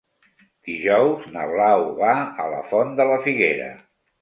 Dijous na Blau va a la Font de la Figuera.